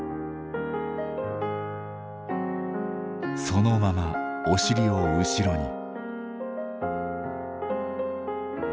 そのままお尻を後ろに。